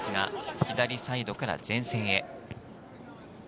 左サイドから前線へ。